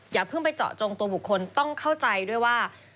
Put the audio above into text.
อย่าเพิ่งไปเจาะจงตัวบุคคลต้องเข้าใจด้วยว่า